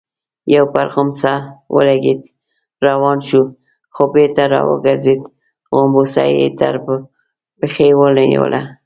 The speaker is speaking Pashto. يو پر غومبسه ولګېد، روان شو، خو بېرته راوګرځېد، غومبسه يې تر پښې ونيوله.